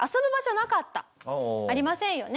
ありませんよね。